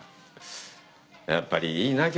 やっぱりいいな京都は。